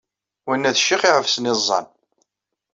Winna d ccix iɛefsen iẓẓan!